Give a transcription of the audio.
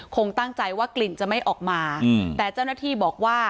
คงตั้งใจว่ากลิ่นจะไม่ออกมาแต่เจ้าหน้าที่บอกว่า